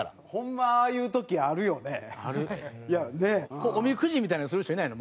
こうおみくじみたいにする人いないの？